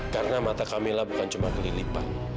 karena mata kamila bukan cuma kelipat